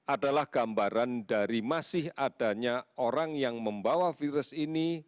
adalah gambaran dari masih adanya orang yang membawa virus ini